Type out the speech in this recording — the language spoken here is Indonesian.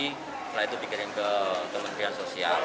setelah itu dikirim ke kementerian sosial